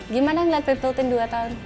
gimana melihat pepleton dua tahun